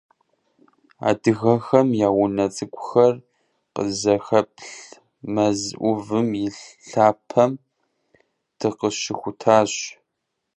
Адыгэхэм я унэ цӀыкӀухэр къызыхэплъ мэз Ӏувым и лъапэм дыкъыщыхутащ.